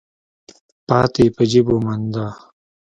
پاتې يې په جېب ومنډه.